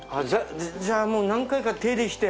じゃあもう何回か手入れして？